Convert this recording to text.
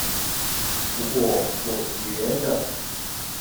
不過我覺得